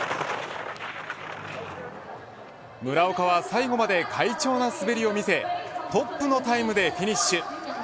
村岡は最後まで快調な滑りを見せトップのタイムでフィニッシュ。